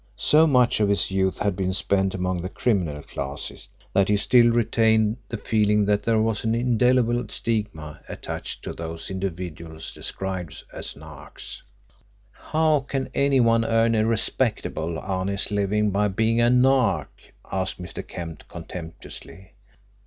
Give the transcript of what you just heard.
So much of his youth had been spent among the criminal classes that he still retained the feeling that there was an indelible stigma attached to those individuals described as narks. "How can any one earn a respectable honest living by being a nark?" asked Mr. Kemp contemptuously.